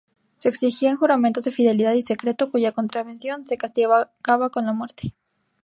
Se exigían juramentos de fidelidad y secreto, cuya contravención se castigaba con la muerte.